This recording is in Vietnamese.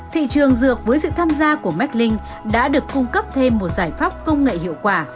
thị trường dược với sự tham gia của meklinh đã được cung cấp thêm một giải pháp công nghệ hiệu quả